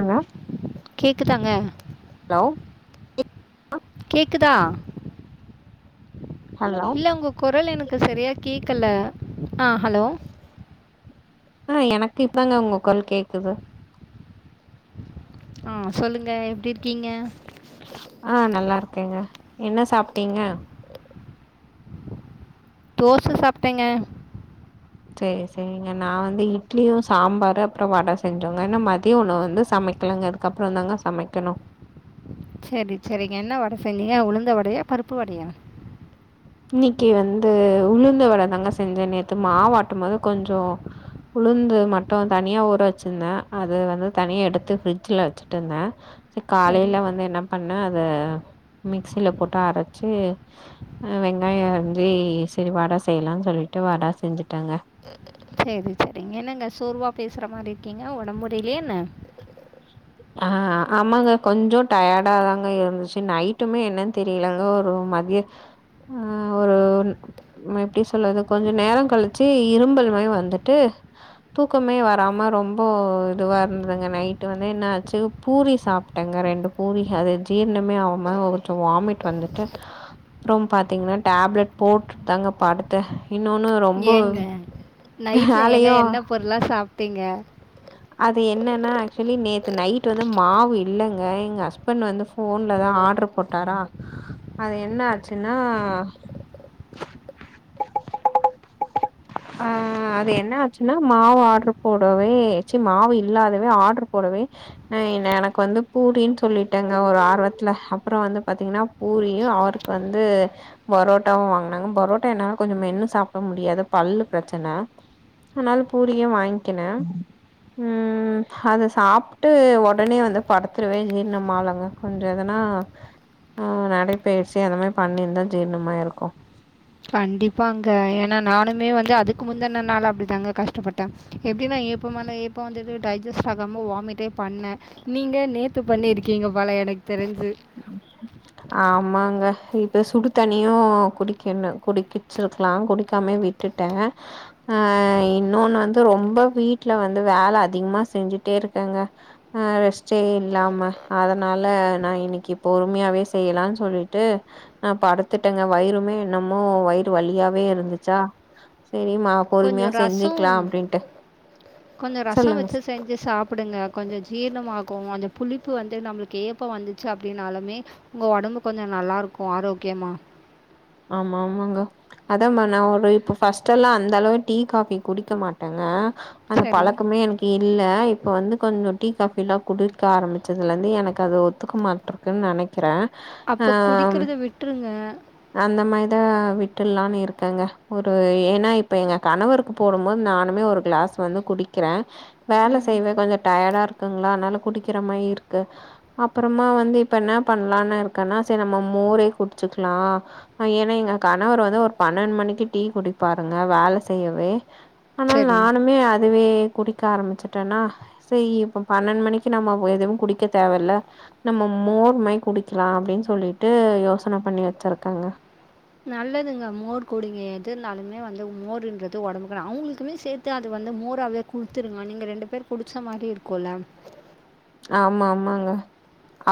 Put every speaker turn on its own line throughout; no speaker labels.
நல்லா
கேக்குதாங்க
ஹலோ
கேக்குதா
ஹலோ
இல்ல உங்க கொரல் எனக்கு சரியா கேக்கல ஆ ஹலோ
ஆ எனக்கு இப்பங்க உங்க கொரல் கேக்குது
ஆ சொல்லுங்க எப்டி இருக்கீங்க
ஆ நல்லா இருக்கேங்க என்ன சாப்டீங்க
தோச சாப்டேங்க
சரி சரிங்க நா வந்து இட்லியு சாம்பாரு அப்றோ வட செஞ்சோங்க இன்னு மதிய உணவு வந்து சமைக் கிலங்க இதுக்கப்றோ தாங்க சமைக்கணு
செரி செரிங்க என்ன வட செஞ்சீங்க உளுந்த வடையா பருப்பு வடையா
இன்னக்கி வந்து உளுந்த வட தாங்க செஞ்சோ நேத்து மாவாட்டும்போது கொஞ்சோ உளுந்து மட்டு தனியா ஊற வச்சிருந்த அது வந்து தனியா எடுத்து ஃப்ரிட்ஜுல வச்சுட்டுந்த ச
சரி
காலேல வந்து என்ன பண்ண அத மிக்சில போட்டு அரச்சி அ வெங்காய அரிஞ்சி சரி வட செய்யலான் சொல்லிட்டு வட செஞ்சுட்டேங்க
செரி செரிங்க என்னங்க சோர்வா பேசுற மாரி இருக்கீங்க ஒடம் முடிலயா என்ன
ஆ ஆமாங்க கொஞ்சோ டயடாதாங்க இருந்துச்சு நைட்டுமே என்னன் தெரியலங்க ஒரு மதிய ம் ஒரு ம எப்டி சொல்றது கொஞ்ச நேரோ கழிச்சு இரும்பல் மாரி வந்துட்டு தூக்கமே வராம ரொம்போ இதுவா இருந்துதுங்க நைட்டு வந்து என்ன பூரி சாப்ட்டங்க ரெண்டு பூரி அது ஜீர்ணமே ஆவாம கொஞ்சோ வாமிட் வந்துட்டு அப்புறம் பாத்தீங்கன்னா டேப்லெட் போட்டுட் தாங்கப்படுத்த இன்னொன்னு ரொம்போ
ஏங்க நைட்டில் ஏங்க
வேலையோ
என்ன பொருளாக சாப்பிட்டீங்க
அது என்னன்னா ஆக்சுவலி நேத்து நை ட்டு வந்து மாவு இல்லங்க எங்க ஹஸ்பண்ட் வந்து ஃபோன்லதா ஆட்ரு போட்டாரா அது என்ன ஆச்சுன்னா ஆ அது என்ன ஆச்சுன்னா மாவு ஆர்ட்ரு போடவே சி மாவு இல்லாதவே ஆர்ட்ரு போடவே அ என எனக்கு வந்து பூரின் சொல்லிட்டேங்க ஒரு ஆர்வத்துல அப்றோ வந்து பாத்தீங்கன்னா பூரியு அவருக்கு வந்து பரோட்டாவு வாங்குனாங்க பரோட்டா என்னால கொஞ்சோ மெண்ணு சாப்ட முடியாது பல்லு ப்ரெச்சன அனால பூரியே வாங்கினே ம் அது சாப் ட்டு ஒடனே வந்து படுத்துருவேன் ஜீர்ணமாலங்க கொஞ்ச எதனா ஆ நடைபயிற்சி அந்த மாரி பண்ணிருதா ஜீர்ணமாயிருக்கு
கண்டிப்பாங்க ஏனா நானுமே வந்து அதுக்கு முந்தன நாலு அப்டிதாங்க கஷ்டப்பட்ட எப்டின்னா ஏப்ப மேல ஏப்ப வந்துட்டு டைஜெஸ்ட் ஆகாம வாமிட்டே பண்ண நீங்க நேத்து பண்ணிருக்கீங்க போல எனக் தெரிஞ்சு
[inaudible] ஆமாங்க இது சுடு தண்ணியு குடிக்கணு குடிக்கச்சிருக்கலா குடிக்காமே விட் விட்டுட்டே அ இன்னொன்னு வந்து ரொம்ப வீட்ல வந்து வேல அதிகமா செஞ்சுட்டே இருக்கேங்க ஆ ரெஸ்ட்டே இல்லாம அதனால நா இன்னைக் க்கி பொறுமையாவே செய்யலான்னு சொல்லிட்டு நா படுத்துட்டேங்க வயிருமே என்னமோ வயிறு வலியாவே இருந்துச்சா செரிம்மா பொறுமையா
கொஞ்சம்
செஞ்சுக்கலா
ரசம்
அப்டிண்ட்டு
கொஞ்சம் ரசம்
சொல்லுங்க
வச்சு செஞ்சு சாப்பிடுங்க கொஞ்சோ ஜீர்ணமாகு அந்த புளிப்பு வந்து நம்மளுக்கு ஏப்போ வந்துச்சு அப்டின்னாலுமே உங்க உடம்பு கொஞ்சோ நல்லா இருக்கு ஆரோக்கியமா
ஆமா ஆமாங்க அதான்மா நா ஒன்னு இப்ப ஃபர்ஸ்ட் எல்லா அந்த அளவு டீ காபி குடிக்க மாட்டேங்க அந்த
சரி.
பழக்கமே எனக் இல்ல இப்போ வந்து கொஞ்சோ டீ காஃபிலா குடிக்க ஆரம்பிச்சதுலேருந்து எனக்கு அது ஒத்துக்க மாட்டே கிதுன்னு நெனைக்கிறே ஆ
விட்ற்றுங்க
அந்த மாரிதா விட்ற்றுல்லான்னு இருக்கேங்க ஒரு ஏன்னா இப்ப எங்க கணவருக்கு போடும்போது நானுமே ஒரு கிளாஸ் வந்து குடிக்கிறே வேல
ம்.
செய்யவே கொஞ்சோ டயர்டா இருக் குங்களா அதனால குடிக்கிற மாரி இருக்கு அப்பறமா வந்து இப்ப என்ன பண்ணலான்னு இருக்கன்னா செரி நம்ம மோரே குடிச்சுக்கலா ஏன்னா எங்க கணவர் வந்து ஒரு பன்னெண்டு மணிக்கு டீ குடிப்பாருங்க வேல செய்யவே அதுனால
சரி.
நானுமே அதுவே குடிக் க ஆரம்பிச்சட்டேன்னா செரி இப்ப பண்னெண்டு மணிக்கு நம்ம எதுவு குடிக்க தேவயில்ல நம்ம மோர்மை குடிக்கலா அப்டின்னு சொல்லிட்டு யோசன பண்ணி வச்சிருக்கேங்க
நல்லதுங்க மோர் குடிங்க எது இருந்தாலுமே வந்து மோர்ன்றது உடம்புக்கு அவுங்களுக்குமே சேர்த் து அது வந்து மோராவே குடுத்துருங்க நீங்க ரெண்டு பேரு குடிச்ச மாரி இருக்குல்ல
ஆமா ஆமாங்க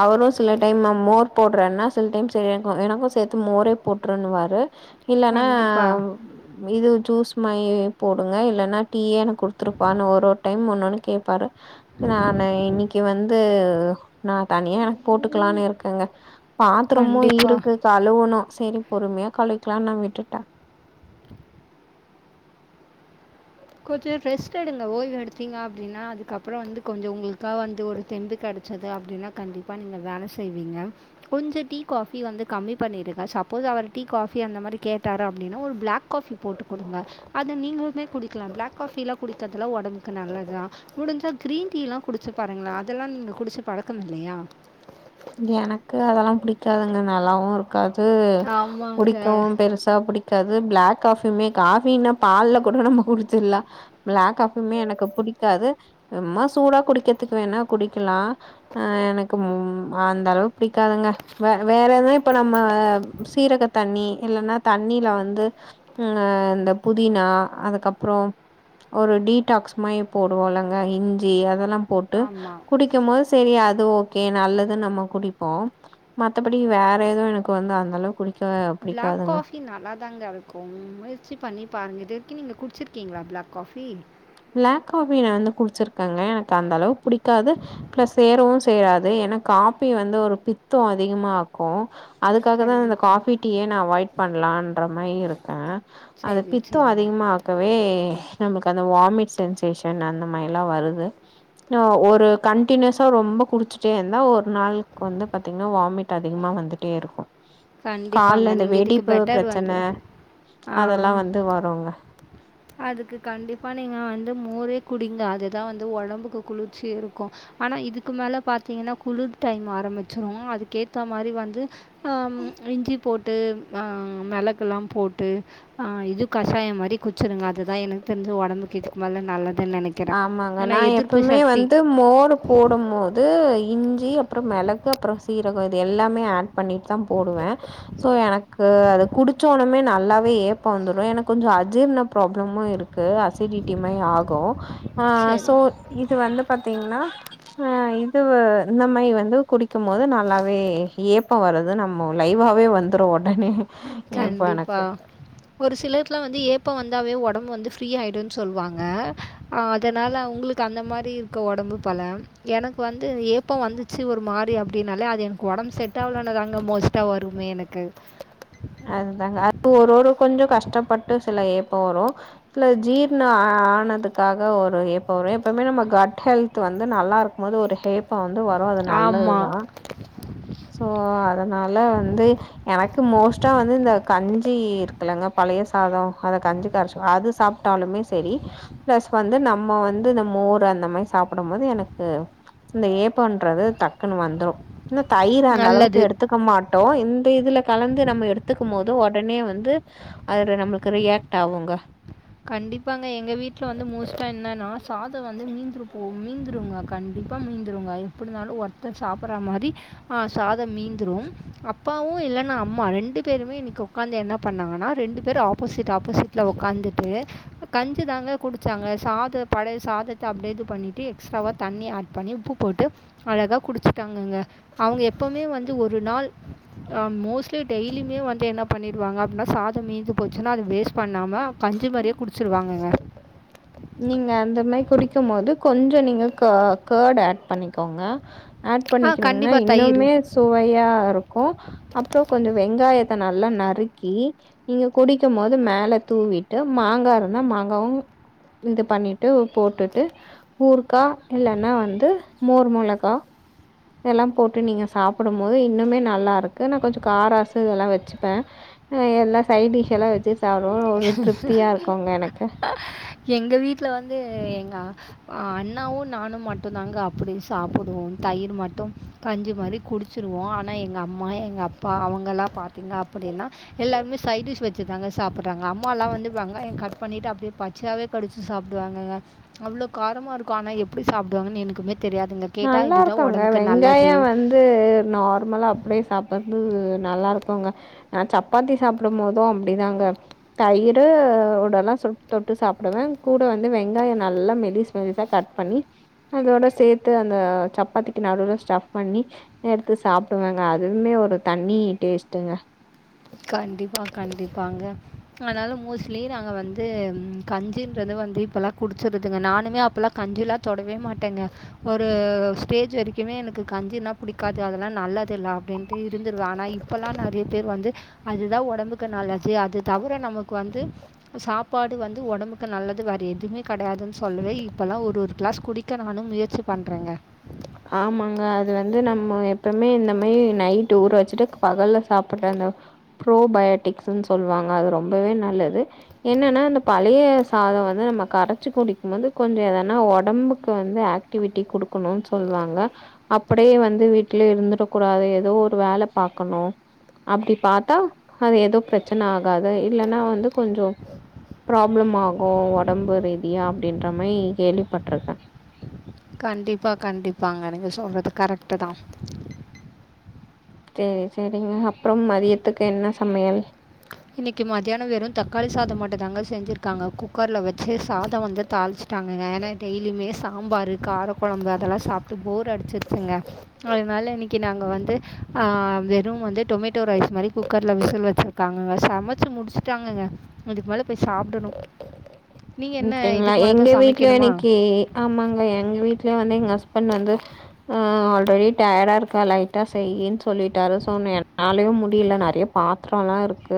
அவரு சில டைம் மோர் போடுறேன்னா சில டைம் செரி எனக் எனக்கு சேர்த்து மோரே போட்டுருன்னுவாரு இல்லனா
கண்டிப்பாக
இது ஜூஸ் மாரி போடுங்க இல்லன்னா டீயே எனக்கு குடுத்துருப்பானு ஒரு ஒரு டைம் ஒன்னொன்னு கேட்பாரு நானு இன்னைக்கு கி வந்து நா தனியா எனக்கு போட்டுக்கலான்னு இருக்கேங்க பாத்திரமு
கண்டிப்பாக
இருக்கு கழுவணு செரி பொறுமையா கழுவிக்கிலானு நா விட்டுட்டே
கொஞ்சோ ரெஸ்ட் எடுங்க ஓய்வு எடுத்தீங்க அப்டின்னா அதுக்கப்றோ வந்து கொஞ்சோ உங்களுக்காக வந்து ஒரு தெம்பு கெட ச்சது அப்டின்னா கண்டிப்பா நீங்க வேல செய்வீங்க கொஞ்சோ டீ காபி வந்து கம்மி பண்ணிருங்க சப்போஸ் அவர் டீ காபி அந்த மாரி கேட்டாரு அப்டின்னா ஒரு பிளாக் காபி போட்டு கொடுங்க அது நீங்களுமே குடிக்கலா பிளாக் காஃபிலா குடிக்கிறது எல்லா உடம்புக்கு நல்லது தா முடிஞ்சா கிரீன் டீ எல்லா குடிச்சு பாருங்களா அதெல்லா நீங்க குடிச்சு பழக்கம் இல்லையா
எனக்கு அதெல்லா பிடிக்காதுங்க நல்லாவு இருக் காது
ஆமாங்க
பிடிக்கவு பெருசா பிடிக் காது பிளாக் காஃபியுமே காஃபின்னா பால்ல கூட நம்ம குடிச்சிற்லா பிளாக் காஃபியுமே எனக்கு பிடிக்காது சும்மா சூடா குடிக்கிறதுக்கு வேணா குடிக்கலா அ எனக்கு அந்த அளவுக்கு பிடிக்காதுங்க வே வேற எது இப்ப நம்ம சீரக தண்ணி இல்லன்னா தண்ணில வந்து அ அந்த புதினா அதுக்கப்றோ ஒரு டீடாக்ஸ் மாரி போடுவோலங்க இஞ்சி அதெல்லா போட்டு
ஆமாம்
குடிக்கும்போது சரி அது ஓகே நல்லது நம்ம குடிப்போ மத்தபடி வேற ஏதவு எனக்கு வந்து அந்த அளவுக்கு குடிக்க
ப்ளாக்
பிடிக்காதுங்க
காஃபி நல்லாாதாங்க இருக்கு முயற்சி பண்ணி பாருங்க இதுவரைக்கு நீங்க குடிச்சிருக்கீஙளா ப்ளாக் காஃபி
ப்ளாக் காபி நா வந்து குடிச்சிருக்கேங்க எனக்கு அந்த அளவு புடிக்காது ம்ளஸ் சேரவும் சேராது ஏன்னா காப்பி வந்து ஒரு பித்தோ அதிகமா ஆக்கு அதுக்காக தா இந்த
கண்டிப்பாக
காஃபி டீயே நா அவாய்ட் பண்ணலான்ற மாரி இருக்கே அது
சரி
பித்தோ
சரிங்க
அதிகமா ஆக்கவே நமக்கு அத வாமிட் சென்சேஷன் அந்த மாரி எலா வருது ஒரு கண்டினியூஸா ரொம்ப குடிச்சூட்டே இருந்தா ஒரு நாளுக்கு வந்து பாத்திங்ன்னா வாமிட் அதிகமா வந்துட்டே இருக்கு
கண்டிப்பாங்க
கால்ல இந்த
நீங்கள் இதுக்கு
வெடிப்பு
பெட்டர் வந்து
பிரச்சன
ஆ
அதெல்லா வந்து வருங்க
அதுக்கு கண்டிப்பாக நீங்க வந்து மோரே குடிங்க அதுதா வந்து ஒடம்புக்கு குளிர்ச்சி இருக்கு ஆனா இதுக்கு மேல பாத்திங்கன்னா குளிர் டைம் ஆரம்பிச்சிரு அதுக்கேத்த மாதிரி வந்து அ இஞ்சி போட்டு ஆ மெளகெல்லா போட்டு ஆ இது கஷாயோ மாதிரி குச்சிருங்க அதுதா எனக்கு தெரிஞ்ச ஒடம்புக்கு வந்து நல்லதுன் நெனைக்கிறே
ஆமாங்க
ஆனா
நா
எதிர்ப்பு
எப்பவுமே
சக்தி
வந்து மோர் போடும்போது இஞ்சி அப்றோ மெளகு அப்றோ சீரகோ இது எல்லாமே ஆட் பண்ணிட்தா போடுவே ஸோ எனக்கு அது குடிச்ச ஒனமே நல்லாவே ஏப்ப வந்துரு எனக்கு கொஞ்சோ அஜீர்ண ப்ராப்ளமு இருக்கு அசிடிட்டி மாரி ஆகு ஆ சோ
சரி
இது வந்து பாத்திங்ன்னா ஆ இது இந்த மாரி வந்து குடிக்கு போது நல்லாவே ஏப்பௌ வருது நம்ம லைவாவே வந்ரு ஒடனே ஏப்ப
கண்டிப்பா
எனக்கு
ஒரு சிலர்லா வந்து ஏப்போ வந்தாவவே ஒடம்பு வந்து ஃப்ரீ ஆய்டுன்னு சொல்லுவாங்க அதனால உங்ளுக் அந்த மாதிரி இருக்க ஒடம்பு பொல எனக்கு வந்து ஏப்போ வந்துச்சு ஒரு மாரி அப்டின்னாலே அது எனக்கு ஒடம்பு செட் ஆகலன்னதாங்க மோஸ்ட்டா வருமே எனக் கு
அதுதாங்க அது ஒரு ஒரு கொஞ்சோ கஷ்டப்பட்டு சில ஏப்போ வரு இல்ல ஜீர்னு ஆனதுக்காக ஒரு ஏப்போ வரு எப்பவுமே நம்ம கட் ஹெல்த் வந்து நல்லா இருக்கும் போது ஒரு ஹேப்போ வந்து வரு அது
ஆமா.
நல்லதுதா சோ அதனால வந்து எனக்கு மோஸ்ட்டா வந்து இந்த கஞ்சி இருக்குல்லங்க பழைய சாதோ அத கஞ்சி கரைச்சி அது சாப் ட்டாலுமே சரி பிளஸ் வந்து நம்ம வந்து இந்த மோர் அந்த மாதிரி சாப்டும்போது எனக்கு இந்த ஏப்பன்றது டக்குன்னு வந்துரு இன்னு தயிர் அந்த அளவுக்கு
நல்லது.
எடுத்துக்க மாட்டோ இந்த இதுல கலந்து நம்ம எடுத்துக்கு மோது ஒடனே வந்து அதுல நம்லுக்கு ரியாக்ட் ஆவுங்க
கண்டிப்பாங்க எங்க வீட்ல வந்து மோஸ்ட்டா என்னன்னா சாதோ வந்து மீந்துபோவு மீந்துடுங்க கண்டிப்பா மீந்துருங்க எப்டினாலு ஒருத்தர் சாப்டற மாரி அ சாதோ மீந்துரு அப்பாவு இல்லன்னா அம்மா ரெண்டு பேருமே இன்னிக்கு ஓக்காந்து என்ன பண்ணாங்கன்னா ரெண்டு பேரு ஆப்போசிட் ஆப்போசிட்ல ஒகாந்துட்டு கஞ்சு தாங்க குடிச்சாங்க சாத பழய சாதத்த அப்டியே இது பண்ணிட்டு எக்ஸ்ட்ராவா தண்ணி ஆட் பண்ணி உப்பு போட்டு அழகா குடிச்சுட்டாங்கங்க அவுங்க எப்பவுமே வந்து ஒரு நாள் ஆ மோஸ்லி டெய்லியுமே வந்து என்னா பண்ணிடுவாங்க அப்டின்னா சாதோ மீந்து போச்சுன்னா அது வேஸ்ட் பண்ணாம கஞ்சி மாரியே குடிச்சிடுவாங்கங்க
நீங்க அந்த மேரி குடிக்கும்போது கொஞ்சோ நீங்க க கர்டு ஆட் பண்ணிக்கோங்க ஆட்
ஆ
பண்ணிக்கிறீங்கன்னா
கண்டிப்பாக தயிர்
இன்னுமே சுவையா இருக்கு அப்றோ கொஞ்ச வெங்காயத்த நல்லா நறுக்கி நீங்க குடிக்கும்போது மேல தூவிட்டு மாங்கா இருந்தா மாங்காவு இது பண்ணிட்டு போட்டுட்டு ஊற்கா இல்லன்னா வந்து மோர் மொளகா இதல்லா போட்டு நீங்க சாப்புடும்போது இன்னமே நல்லா இருக்கு நா கொஞ்ச காராசு இதல்லா வச்சுப்ப ம் எல்லா சைடிஷ் எல்லா வச்சுட்டு சாப்படும்போது ஒரு திருப்தியா இருக்குங்க எனக்கு
எங்க வீட்டுல வந்து எங்க அண்ணாவு நானு மட்டுந்தாங்க அப்டி சாப்புடுவோ தயிர் மட்டு கஞ்சி மாரி குடிச்சுடுவோ ஆனா எங்க அம்மா எங்க அப்பா அவங்கலா பாத் திங்க அப்டின்னா எல்லாருமே சைடிஷ் வச்சு தாங்க சாப்பிடு றாங்க அம்மாலா வந்து வெங்காய கட் பண்ணிட்டு அப்டியே பச்சையாவே கடிச்சு சாப்பிடுவாங்கங்க அவ்ளோ காரமா இருக்கு ஆனா எப்டி சாப்பிடுவாங்கன்னு எனக்குமே தெரியாதுங்க கேட்டால்
நல்லா
இதுதான்
இருக்காங்க
உடம்புக்கு
வெங்காயோ
நல்லது
வந்து நார்மலா அப்டியே சாப்டற்து நல்லா இருக்குங்க நா சப்பாத்தி சாப்பிடும்போது அப்டிதாங்க தயிறு ஓடல்லா சொட் தொட்டு சாப்டுவ கூட வந்து வெங்காய நல்லா மெலி சா கட் பண்ணி அதோட சேத்து அந்த சப்பாத்திக்கு நடுவுல ஸ்டஃப் பண்ணி எடுத்து சாப்டுவாங்க அதுவுமே ஒரு தணி டேஸ்ட்டுங்க
கண்டிப்பா கண்டிப்பாங்க ஆனாலு மோஸ்ட்லி நாங்க வந்து கஞ்சுன்றது வந்து இப்பல்லா குடிச்சிருதுங்க நானுமே அப்போல்லா கஞ்சில்லா தொடவே மாட்டேங்க ஒரு ஸ்டேஜு வரைக்குமே எனக்கு கஞ்சின்னா புடிக்காது அதெல்லா நல்லது இல்ல அப்டின்னு அப்டியே இருந்துருவ ஆனா இப்பல்லா நெறைய பேர் வந்து அதுதா ஒடம்புக்கு நல்லது அது தவுர நமக்கு வந்து சாப்பாடு வந்து ஒடம்புக்கு நல்லது வேற எதுமே கடையாதுன்னு சொல்லுவே இப்பல்லா ஒரு ஒரு கிளாஸ் குடி க்க நானு முயற்சி பண்றேங்க
ஆமாங்க அது வந்து நம்ம எப்பமே இந்த மாயி நைட்டு ஊர வச்சுட்டு பகல்ல சாப்பற அந்த ப்ரோ பயோடிக்ஸ்ன்னு சொல்லுவாங்க அது ரொம்பவே நல்லது என்னன்னா அந்த பழய சாதோ வந்து நம்ம கரச்சு குடிக்கும்போது கொஞ்ச எதனா ஒடம்புக்கு வந்து ஆக் டிவிட்டி குடுக்குணு சொல்லுவாங்க அப்படியே வந்து வீட்லே இருந்துப்ப கூடாது ஏதோ ஒரு வேல பாக்கணு அப்டி பாத்தா அது ஏதோ பிரச்சன ஆகாத இல்லன்னா வந்து கொஞ்சோ ப்ராப்ளம் ஆகு ஒடம்பு ரீதியா அப்டின்ற மாரி கேள்விப்பட்ருக்க
கண்டிப்பா கண்டிப்பாங்க நீங்க சொல்றது கரெக்ட்டுதா
செரி செரிங்க அப்ரோ மதியத்துக்கு என்ன சமையல்
இன்னிக்கு மதியானோ வெறு தக்காளி சாத மட்டுதாங்க செஞ்சிருக்காங்க குக்கர்ல வச்சு சாத வந்து தாளிச் ட்டாங்கங்க ஏனா டெய்லியுமே சாம்பார் காரக்ககொழம்பு அதல்லா சாப்டு போர் அடிச்சிருச்சிங்க அதுனால இன்னிக்கு நாங்க வந்து ஆ வெறு வந்து டொமேட்டோ ரைஸ் மாரி குக்கர்ல விசில் வச்சிரு காங்கங்க சமச்சி முடிச்சிட்டாங்கங்க இதுக்கு மேல போய் சாப்டணு
அப்டிங்களா எங்க வீட்டு்ல இன்னிக்கு ஆமாங்க எங்க வீட்லயு வந்து எங்க ஹஸ்பண்ட் வந்து ஆ ஆல்ரெடி டயடா இருக்க லைட்டா செய்யுன்னு சொல்லிட்டாரு ஸோ என்னாலயு முடியில நெறையா பாத்ரொலா இருக்கு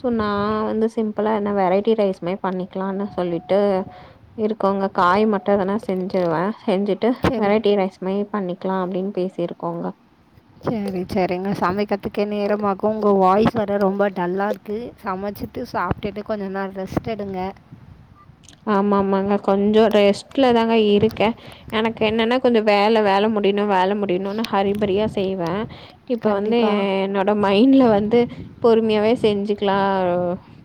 ஸோ நா வந்து சிம்பிளா என்ன வெரைட்டி ரைஸ் மேரி பண்ணிக்லான்னு சொல்லிட்டு இருக்கோங்க காய் மட்டு எதனா செஞ்சிருவ செஞ்சுட்டு
சரி
வெரைட்டி ரைஸ் மெய் பண்ணிக்லா அப்டின் பேசியிருக்கோங்க
சேரி செரிங்க சமைக்கர்த்துக்கே நேரமாகு உங்க வாய்ஸ் வேர ரொம்ப டல்லார் க்கு சமச்சிட்டு சாப்ட்டுட்டு கொஞ்ச நேர் ரெஸ்ட்டெடுங்க
ஆமா மாங்க கொஞ்சோ ரெஸ்ட்லதாங்க இருக்கே எனக்கு என்னனா கொஞ்சோ வேல வேல முடியுனு வேலம் முடியுணுனு ஹரிபரியா செய்வே இப்ப வந்து எ
கண்டிப்பாக
என்னோட மைண்ட்ல வந்து பொறுமியாவே செஞ்சுக்லா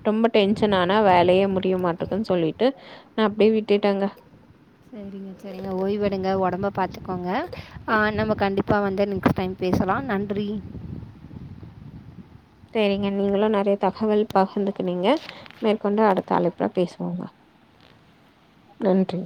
ரொம்ப டென்ஷன் ஆனா வேலையே முடிய மாட்டுக் சொல்லிட்டு நா அப்டியே விட்டுட்டேங்க
செரிங்க செரிங்க ஓய்வெடுங்க ஒடம்ப பாத்துகோங்க அ நம்ம கண்டிப்பா வந்து நெக்ஸ்ட் டைம் பேசலா நன்றி
தேரிங்க நீங்ளு நெறையத் தகவல் பகிர்ந்துகுனீங்க மேற்கொண்டு அடுத்த அழைப்புல பேசுவோங்க நன்றி